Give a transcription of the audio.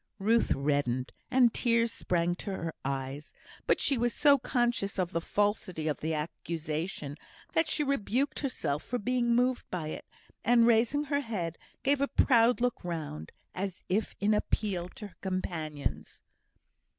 Ruth reddened, and tears sprang to her eyes; but she was so conscious of the falsity of the accusation, that she rebuked herself for being moved by it, and, raising her head, gave a proud look round, as if in appeal to her companions.